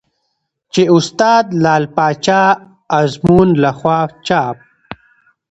چې استاد لعل پاچا ازمون له خوا چاپ